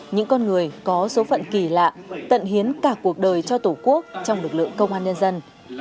những con người có số phận kỳ lạ tận hiến cả cuộc đời cho tổ quốc trong lực lượng công an nhân dân